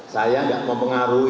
saya tidak mempengaruhi